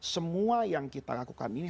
semua yang kita lakukan ini